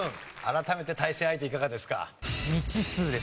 改めて対戦相手いかがですか？